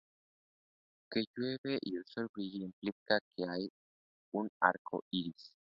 Que llueva y el sol brille implica que hay un arco iris.